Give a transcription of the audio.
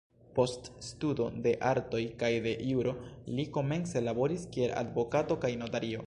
Post studo de artoj kaj de juro, li komence laboris kiel advokato kaj notario.